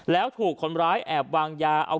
แล้วถูกคนร้ายแอบวางยาเอา